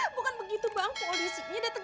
bukan begitu bang polisinya datang ke sini